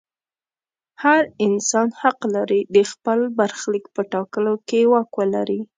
هر انسان حق لري د خپل برخلیک په ټاکلو کې واک ولري.